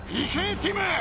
ティム。